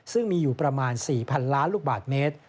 ซึ่งมีอยู่ประมาณ๔๐๐๐ล้านลูกบาทเมตร